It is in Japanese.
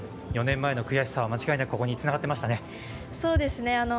４年前の悔しさは間違いなくここに、つながっていましたね。